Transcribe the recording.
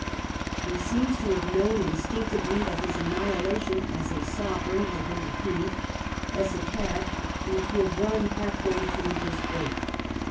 He seems to have known instinctively that his annihilation as a sovereign had been decreed, as it had, and to have run half way to meet his fate.